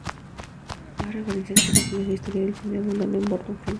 Más referencias a películas e historia del cine abundan en "Barton Fink".